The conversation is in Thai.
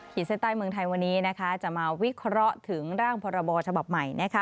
หิตใส้ใต้เมืองไทยวันนี้นะคะจะมาวิเคราะห์ถึงร่างพรบชบับใหม่นะคะ